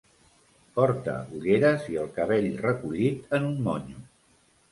Porta ulleres i el cabell recollit en un monyo.